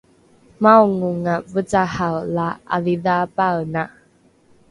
maongonga vecahae la ’adhidhaapaena